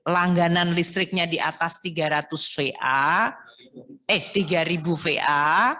langganan listriknya di atas tiga ribu va